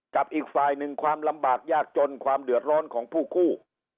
กับอีกฝ่ายหนึ่งความลำบากยากจนความเดือดร้อนของผู้กู้